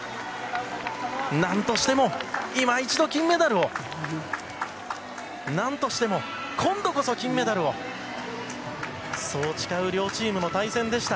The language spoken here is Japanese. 何としても今一度金メダルを。何としても今度こそ金メダルを。そう誓う両チームの対戦でした。